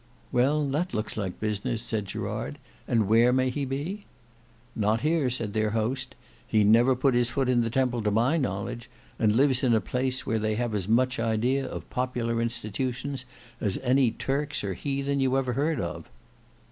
"Well, that looks like business," said Gerard; "and where may he be?" "Not here," said their host; "he never put his foot in the Temple to my knowledge; and lives in a place where they have as much idea of popular institutions as any Turks or heathen you ever heard of."